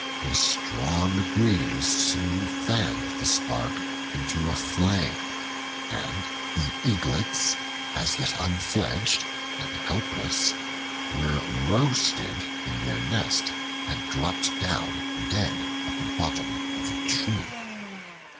A strong breeze soon fanned the spark into a flame, and the eaglets, as yet unfledged and helpless, were roasted in their nest and dropped down dead at the bottom of the tree.